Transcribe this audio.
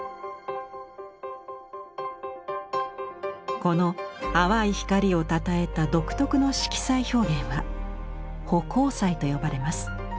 この淡い光をたたえた独特の色彩表現は「葆光彩」と呼ばれます。